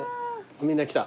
みんな来た？